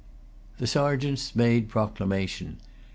The Sergeants made proclamation.